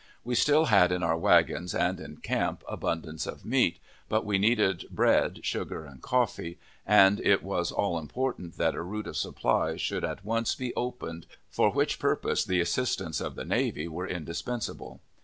We still had in our wagons and in camp abundance of meat, but we needed bread, sugar, and coffee, and it was all important that a route of supply should at once be opened, for which purpose the assistance of the navy were indispensable.